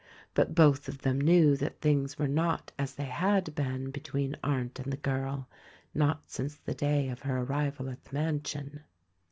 But both of them knew that things were not as they had been between Arndt and the girl — not since the day of her arrival at the mansion.